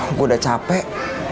gua udah capek